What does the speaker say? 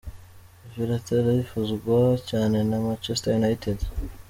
Verratti arifuzwa cyane na Manchester United.